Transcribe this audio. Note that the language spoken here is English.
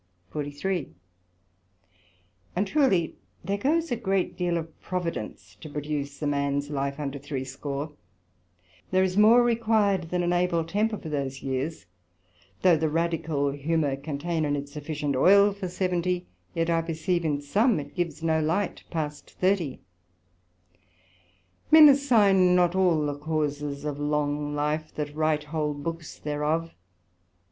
SECT.43 And truely there goes a great deal of providence to produce a mans life unto three score: there is more required than an able temper for those years; though the radical humour contain in it sufficient oyl for seventy, yet I perceive in some it gives no light past thirty: men assign not all the causes of long life, that write whole Books thereof.